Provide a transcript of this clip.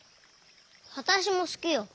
わたしもすきよ。